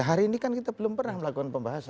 hari ini kan kita belum pernah melakukan pembahasan